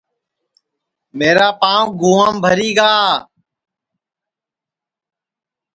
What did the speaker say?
میرا پانٚو گُام بھری گا